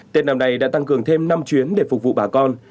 tết năm nay đã tăng cường thêm năm chuyến để phục vụ bà con